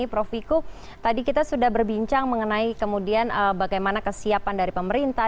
prof viku tadi kita sudah berbincang mengenai kemudian bagaimana kesiapan dari pemerintah